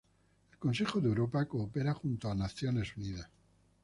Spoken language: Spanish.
El Consejo de Europa coopera junto a Naciones Unidas.